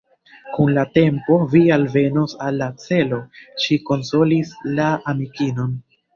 Kun la tempo vi alvenos al la celo, ŝi konsolis la amikinon.